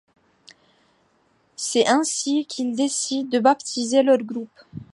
C'est ainsi qu’ils décident de baptiser leur groupe.